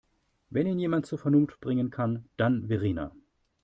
Wenn ihn jemand zur Vernunft bringen kann, dann Verena.